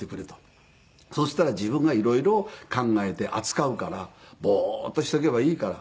「そしたら自分が色々考えて扱うからボーッとしておけばいいから」。